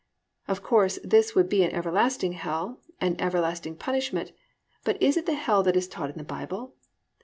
Of course, this would be an everlasting hell, and everlasting punishment, but is it the hell that is taught in the Bible?